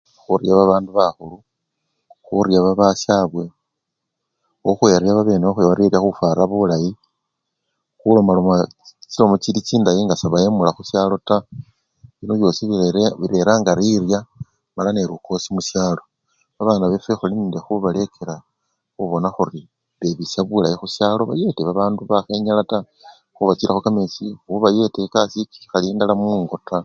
Khurya babandu bakhulu, khurya babasyabwe khukhwirwa babene bela khufwara bulayi, khulomaloma chilomo chili chindayi nga sebayemula khushalo taa, bino byosi birera! bireranga lirya mala nelukosi mushalo, babana befwe khuli nende khubalekela khubona khuri bebirisha bulayi khusyalo bayete babandu bakhenyala taa, khubachilakho kamechi, khubayeta ekasii chi! ikhali endala mungo taa